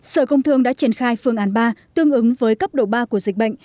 sở công thương đã triển khai phương án ba tương ứng với cấp độ ba của dịch bệnh